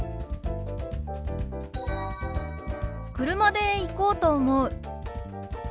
車で行こうと思う。